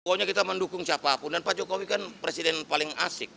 pokoknya kita mendukung siapapun dan pak jokowi kan presiden paling asik